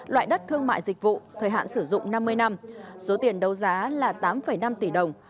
loại đất thương mại dịch vụ thời hạn sử dụng năm mươi năm số tiền đấu giá là tám năm tỷ đồng